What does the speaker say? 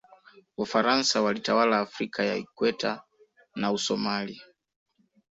wafaransa walitawala afrika ya ikweta na usomali